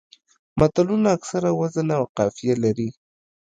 متلونه اکثره وزن او قافیه لري